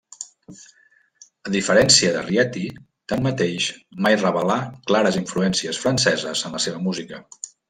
A diferència de Rieti, tanmateix, mai revelà clares influències franceses en la seva música.